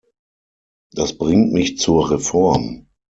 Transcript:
Das bringt mich zur Reform.